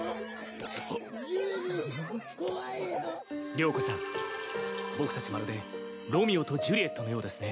了子さん僕たちまるでロミオとジュリエットのようですね。